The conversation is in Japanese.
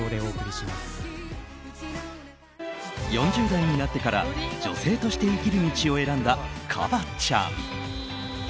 ４０代になってから女性として生きる道を選んだＫＡＢＡ．ちゃん。